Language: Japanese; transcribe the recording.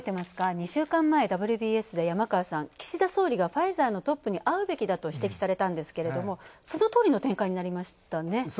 ２週間前、「ＷＢＳ」で山川さん岸田総理がファイザーのトップに合うべきだと指摘されたんですけれども、そのとおりの展開になりましたね。